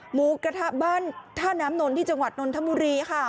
หมูกระทะบ้านท่าน้ำนนที่จังหวัดนนทบุรีค่ะ